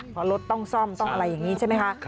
เพราะรถต้องซ่อมต้องอะไรอย่างนี้ใช่ไหมคะ